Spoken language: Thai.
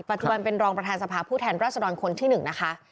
ปัจจุบันเป็นรองประธานสภาผู้แทนรัศดรคนที่๑นะคะ